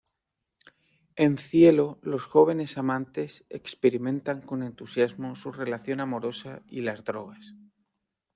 En cielo, los jóvenes amantes experimentan con entusiasmo su relación amorosa y las drogas.